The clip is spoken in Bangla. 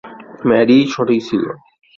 ম্যারিই সঠিক ছিল।